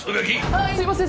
はいすいません